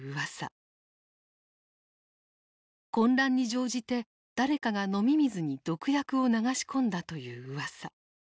混乱に乗じて誰かが飲み水に毒薬を流し込んだといううわさ。